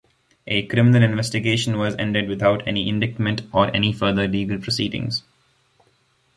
A criminal investigation was ended without any indictment or any further legal proceedings.